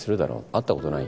会ったことない？